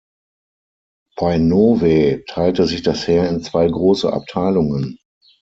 Bei "Novae" teilte sich das Heer in zwei große Abteilungen.